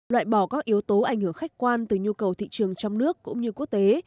loại bỏ các yếu tố ảnh hưởng khách quan từ nhu cầu thị trường trong nước cũng như quốc tế